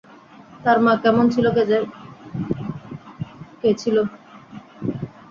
তার মা কেমন ছিল কে ছিল।